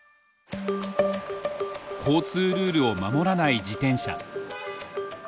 交通ルールを守らない自転車。